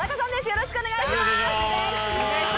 よろしくお願いします。